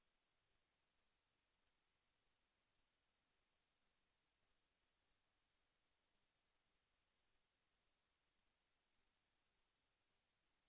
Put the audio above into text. สวัสดีครับ